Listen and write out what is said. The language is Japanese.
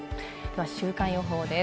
週間予報です。